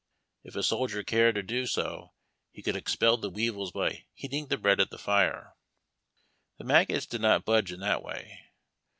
If a soldier cared to do A BOX OF HARDTACK. so, he could expel the weevils by heating the bread at the fire. The maggots did not budge in that way.